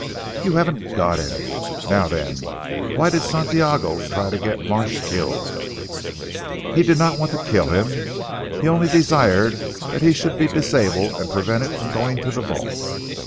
"You haven't got any. Now then, why did Santiago try to get Marsh killed?" "He did not want to kill him. He only desired that he should be disabled and prevented from going to the vault."